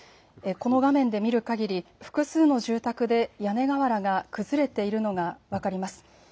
この画面で見るかぎり複数の住宅で屋根瓦が崩れているのが分かります。